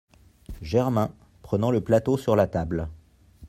Germain , prenant le plateau sur la table.